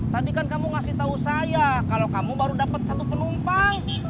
tadi kan kamu ngasih tahu saya kalau kamu baru dapat satu penumpang